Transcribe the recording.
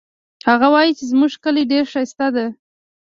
هغه وایي چې زموږ کلی ډېر ښایسته ده